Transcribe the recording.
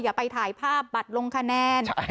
อย่าไปถ่ายภาพบัตรลงคะแนน